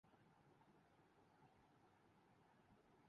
واقعات کے بعد میں محسوس کرتی ہوں کہ